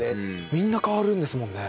みんな変わるんですもんね。